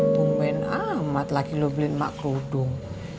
bumen amat lagi lo beli emak kerudung